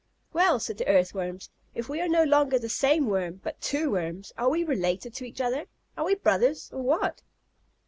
"Well," said the Earthworms, "if we are no longer the same Worm, but two Worms, are we related to each other? Are we brothers, or what?"